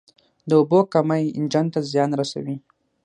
د اوبو کمی انجن ته زیان رسوي.